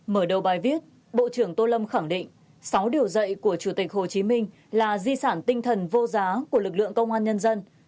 mở đầu bài viết bộ trưởng tô lâm khẳng định sáu điều dạy của chủ tịch hồ chí minh là di sản tinh thần vô giá của lực lượng công an nhân dân